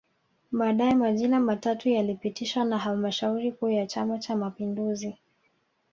Baadae majina matatu yalipitishwa na halmashauri kuu ya Chama Cha Mapinduzi